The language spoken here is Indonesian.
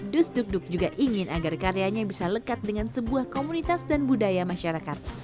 dus duk duk juga ingin agar karyanya bisa lekat dengan sebuah komunitas dan budaya masyarakat